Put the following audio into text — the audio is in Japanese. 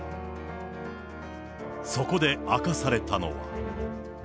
そこで明かされたのは。